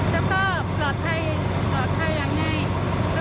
และความสุขของคุณค่ะ